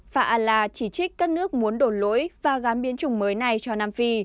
fa ala chỉ trích các nước muốn đổ lỗi và gán biến chủng mới này cho nam phi